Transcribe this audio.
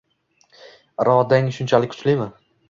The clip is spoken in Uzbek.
- Irodang shunchalik kuchlimi?